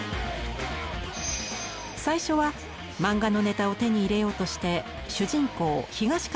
最初は漫画のネタを手に入れようとして主人公東方